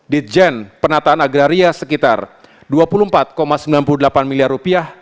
ditjen penataan agraria sekitar dua puluh empat sembilan puluh delapan miliar rupiah